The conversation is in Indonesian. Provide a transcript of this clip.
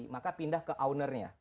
maka pindah ke ownernya